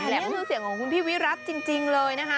ชื่อเสียงของคุณพี่วิรัติจริงเลยนะคะ